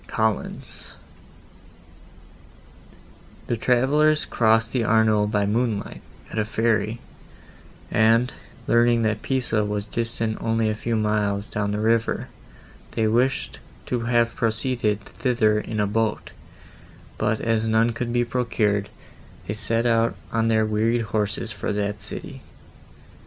COLLINS The travellers crossed the Arno by moonlight, at a ferry, and, learning that Pisa was distant only a few miles down the river, they wished to have proceeded thither in a boat, but, as none could be procured, they set out on their wearied horses for that city.